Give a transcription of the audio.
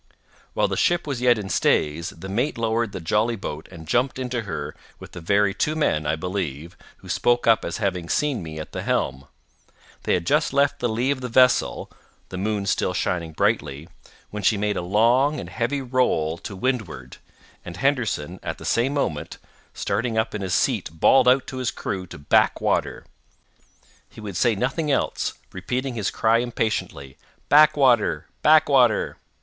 While the ship was yet in stays, the mate lowered the jolly boat and jumped into her with the very two men, I believe, who spoke up as having seen me at the helm. They had just left the lee of the vessel (the moon still shining brightly) when she made a long and heavy roll to windward, and Henderson, at the same moment, starting up in his seat bawled out to his crew to back water. He would say nothing else—repeating his cry impatiently, back water! back water!